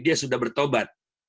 dia sudah bertobat